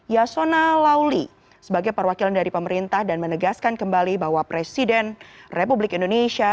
yasona lauli sebagai perwakilan dari pemerintah dan menegaskan kembali bahwa presiden republik indonesia